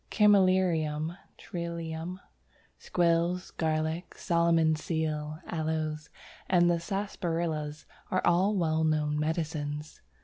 Chamælirium, Trillium, Squills, Garlic, Solomon's Seal, Aloes, and the Sarsaparillas are all well known medicines.